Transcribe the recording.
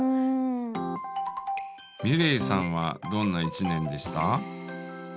ｍｉｌｅｔさんはどんな一年でした？